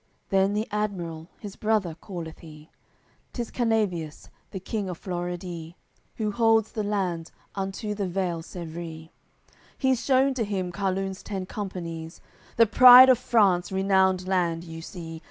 Then the admiral, his brother calleth he, 'Tis Canabeus, the king of Floredee, Who holds the land unto the Vale Sevree; He's shewn to him Carlun's ten companies: "The pride of France, renowned land, you see.